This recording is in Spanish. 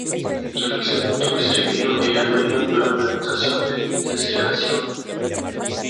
En el segundo estribillo ella baila pero en la habitación de desecación.